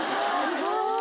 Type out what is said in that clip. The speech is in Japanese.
すごい。